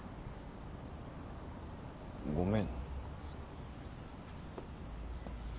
ごめん。